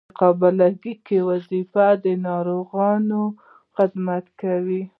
د قابله ګۍ وظیفه د ناروغانو خدمت کول دي.